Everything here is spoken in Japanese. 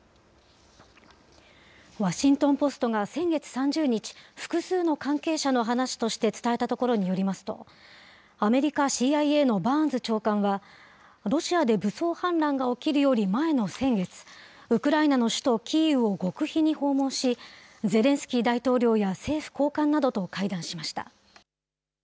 ワシントン・ポストが先月３０日、複数の関係者の話として伝えたところによりますと、アメリカＣＩＡのバーンズ長官は、ロシアで武装反乱が起きるより前の先月、ウクライナの首都キーウを極秘に訪問し、ゼレンスキー大統領や政府高官などと会談しました。